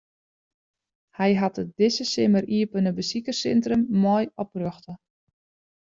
Hy hat it dizze simmer iepene besikerssintrum mei oprjochte.